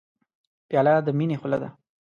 پیاله د مینې خوله ده.